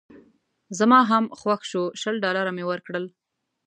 زما هم خوښ شو شل ډالره مې ورکړل.